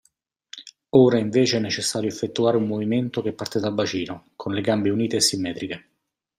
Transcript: Ora invece è necessario effettuare un movimento che parte dal bacino, con le gambe unite e simmetriche.